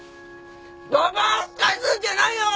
ババア扱いすんじゃないよ！